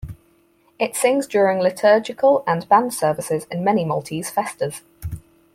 It sings during liturgical and band services in many Maltese festas.